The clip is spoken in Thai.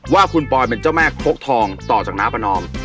ว่าคุณปอยเป็นเจ้าแม่คกทองต่อจากน้าประนอม